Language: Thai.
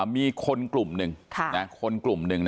มีคุณกลุ่มหนึ่ง